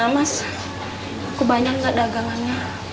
gimana mas aku banyak gak dagangan